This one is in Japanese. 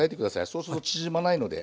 そうすると縮まないので。